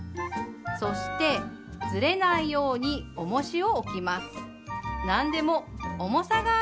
そしてずれないようにおもしを置きます。